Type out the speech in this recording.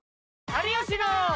有吉の。